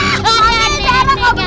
ayo zara kabur dulu aja